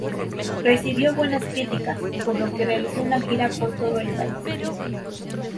Recibió buenas críticas, por lo que se realizó una gira por todo el país.